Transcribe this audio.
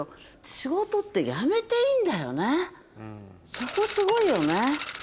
そこすごいよね。